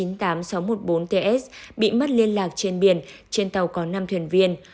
nguyễn đức trung đã bị mất liên lạc trên biển trên tàu có năm thuyền viên